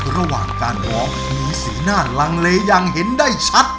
ระหว่างการร้องมีสีหน้าลังเลอย่างเห็นได้ชัด